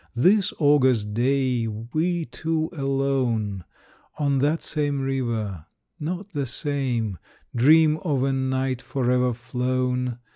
This August day we two alone, On that same river, not the same, Dream of a night forever flown.